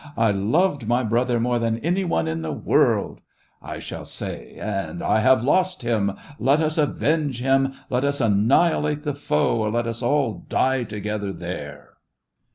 I loved my brother more than any one in the world,' I shall say, 'and I have lost him. Let us avenge him! Let us annihilate the foe, or let us all die together there